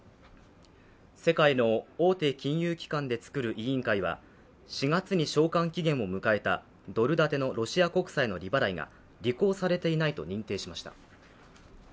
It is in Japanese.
世界の大手金融機関で作る委員会は４月に償還期限を迎えたドル建てのロシア国債の利払いが履行されていないと認定しました。